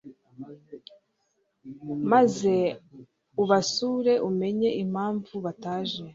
maze ubasure umenye impamvu bataje